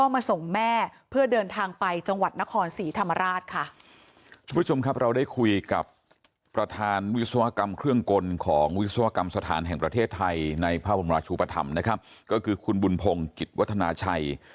เทศไทยในภาพบรรยาชุปธรรมนะครับก็คือคุณบุญพงษ์กิจวัฒนาชัย